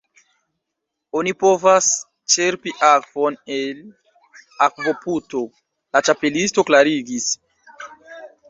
"Oni povas ĉerpi akvon el akvoputo," la Ĉapelisto klarigis.